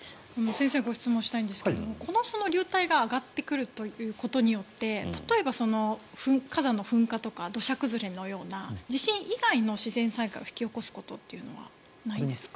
先生にご質問したいんですが、流体が上がってくるということによって火山の噴火とか土砂崩れのような地震以外の自然災害を引き起こすことはないんですか？